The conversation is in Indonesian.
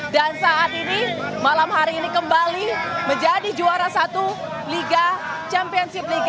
dan saat ini malam hari ini kembali menjadi juara satu liga championship liga satu dua ribu dua puluh tiga dua ribu dua puluh empat